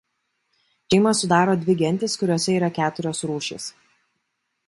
Šeimą sudaro dvi gentys kuriose yra keturios rūšys.